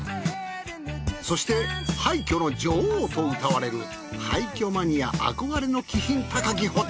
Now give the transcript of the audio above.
そして廃墟の女王と謳われる廃墟マニア憧れの気品高きホテル。